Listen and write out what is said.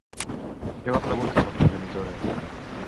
Què va preguntar la progenitora?